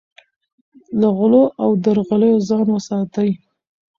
له غلو او درغلیو ځان وساتئ.